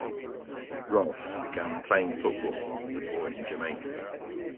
Ralph began playing football as a boy in Jamaica.